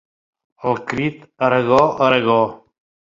El crit Aragó, Aragó!